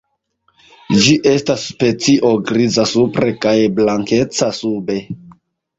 Ĝi estas specio griza supre kaj blankeca sube.